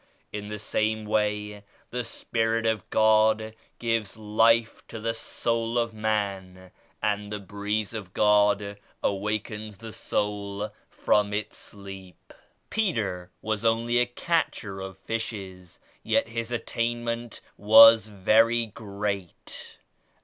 In the same way the Spirit of God gives life to the soul of man and the Breeze of God awakens the soul from its sleep. Peter was only a catcher of fishes yet his attainment was very great.